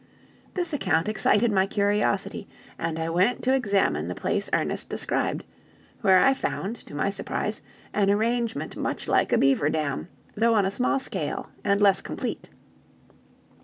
This account excited my curiosity, and I went to examine the place Ernest described: where I found, to my surprise, an arrangement much like a beaver dam, though on a small scale, and less complete.